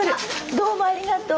どうもありがとう。